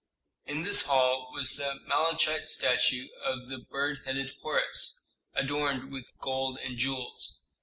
In this hall was the malachite statue of the bird headed Horus, adorned with gold and jewels.